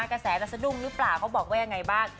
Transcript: กระแสน่าสดุ้งหรือเปล่าเค้าบอกว่าอย่างไรบ้าง